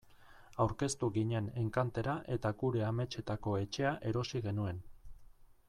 Aurkeztu ginen enkantera eta gure ametsetako etxea erosi genuen.